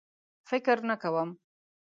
فکر نه کوم.